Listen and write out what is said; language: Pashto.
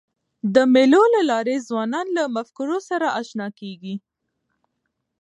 د مېلو له لاري ځوانان له مفکورو سره اشنا کېږي.